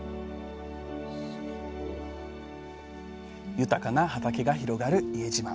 豊かな畑が広がる伊江島。